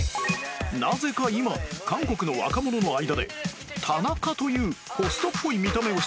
なぜか今韓国の若者の間でタナカというホストっぽい見た目をした芸人が大人気